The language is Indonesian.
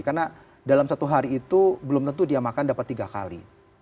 karena dalam satu hari itu belum tentu dia makan dapat tiga kali